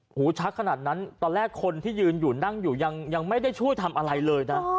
ชักขนาดนั้นตอนแรกคนที่ยืนอยู่นั่งอยู่ยังไม่ได้ช่วยทำอะไรเลยนะ